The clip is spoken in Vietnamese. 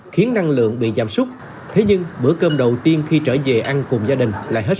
khiến năng lượng bị giảm súc thế nhưng bữa cơm đầu tiên khi trở về ăn cùng gia đình